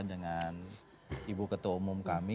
dengan ibu ketua umum kami